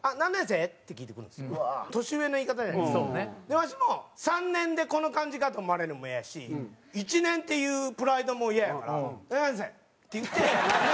わしも３年でこの感じかと思われるのもイヤやし１年っていうプライドもイヤやから「年生」って言うて。